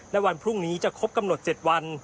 และวันพรุ่งนี้จะครบกำหนด๗วัน